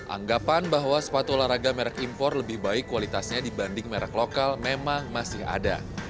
anggapan bahwa sepatu olahraga merek impor lebih baik kualitasnya dibanding merek lokal memang masih ada